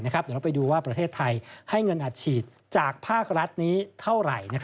เดี๋ยวเราไปดูว่าประเทศไทยให้เงินอัดฉีดจากภาครัฐนี้เท่าไหร่